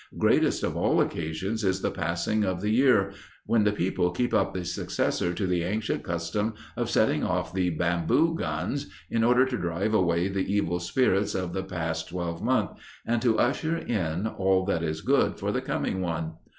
Greatest of all occasions is the passing of the year, when the people keep up the successor to the ancient custom of setting off the "bamboo guns" in order to drive away the evil spirits of the past twelvemonth and to usher in all that is good for the coming one.